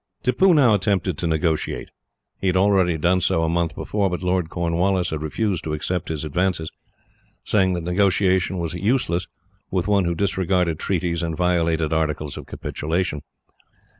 Tippoo now attempted to negotiate. He had already done so a month before, but Lord Cornwallis had refused to accept his advances, saying that negotiation was useless, with one who disregarded treaties and violated articles of capitulation.